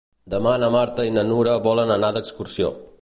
Demà na Marta i na Nura volen anar d'excursió.